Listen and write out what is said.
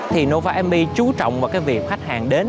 thì nova f b chú trọng vào cái việc khách hàng đến